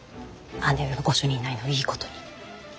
姉上が御所にいないのをいいことに。